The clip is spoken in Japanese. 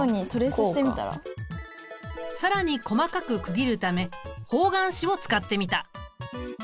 更に細かく区切るため方眼紙を使ってみた。